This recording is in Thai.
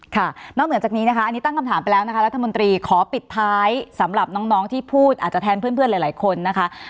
ค่ะนอกเหนือจากนี้นะคะอันนี้ตั้งคำถามไปแล้วนะคะรัฐมนตรีขอปิดท้ายสำหรับน้องที่พูดอาจจะแทนเพื่อนหลายคนนะคะ